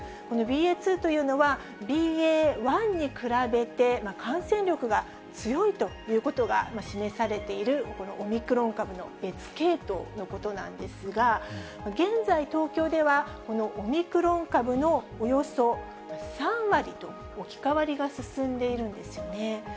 このＢＡ．２というのは、ＢＡ．１に比べて、感染力が強いということが示されている、このオミクロン株の別系統のことなんですが、現在、東京ではこのオミクロン株のおよそ３割と、置き換わりが進んでいるんですよね。